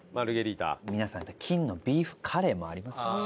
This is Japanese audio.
皆さん金のビーフカレーもありますからね。